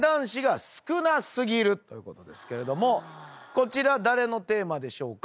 こちら誰のテーマでしょうか？